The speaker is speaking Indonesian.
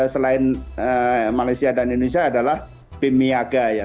selain malaysia dan indonesia adalah bmiaga ya